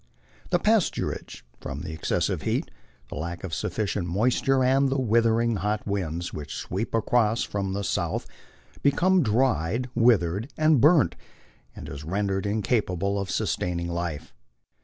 The pasturage, from the excessive heat, the lack of sufficient moisture, and the withering Tiot winds which sweep across from the south, becomes dried, withered, and burnt, and is rendered incapable of sustaining life.